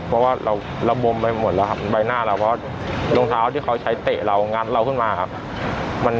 เพราะว่าเราระบมไปหมดแล้วครับใบหน้าเราเพราะรองเท้าที่เขาใช้เตะเรางัดเราขึ้นมาครับ